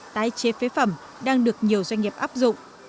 tái chế phế phẩm đang được nhiều doanh nghiệp áp dụng